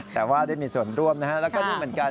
แต่ว่าได้มีส่วนร่วมนะฮะแล้วก็ดีเหมือนกัน